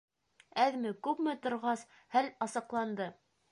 Әҙме-күпме торғас, хәл асыҡланды.